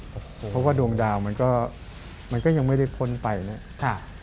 เพราะว่าดวงดาวมันก็ยังไม่ได้พ้นไปนะครับ